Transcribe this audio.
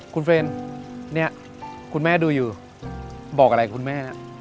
คุณเฟรนเนี่ยคุณแม่ดูอยู่บอกอะไรคุณแม่นะ